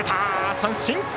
三振！